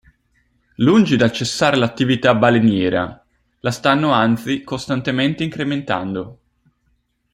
Lungi dal cessare l'attività baleniera, la stanno anzi costantemente incrementando.